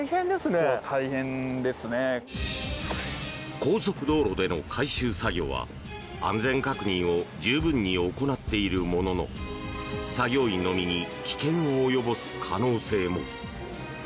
高速道路での回収作業は安全確認を十分に行っているものの作業員の身に危険を及ぼす可能性も。